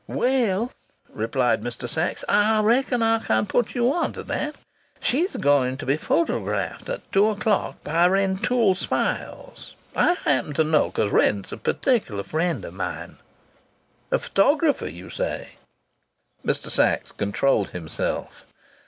"Well," replied Mr. Sachs, "I reckon I can put you on to that. She's going to be photographed at two o'clock by Rentoul Smiles. I happen to know because Rent's a particular friend of mine." "A photographer, you say?" Mr. Sachs controlled himself.